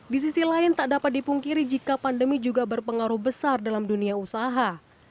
di sisi lain tak dapat dipungkiri jika pandemi juga berpengaruh besar dalam dunia usaha